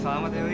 selamat ya wi